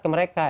saya ke mereka